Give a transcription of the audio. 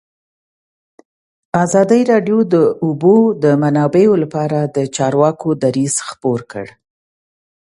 ازادي راډیو د د اوبو منابع لپاره د چارواکو دریځ خپور کړی.